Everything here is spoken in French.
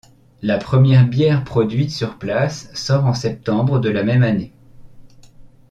La première bière produite sur place sort en septembre de la même année.